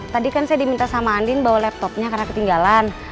tadi kan saya diminta sama andin bawa laptopnya karena ketinggalan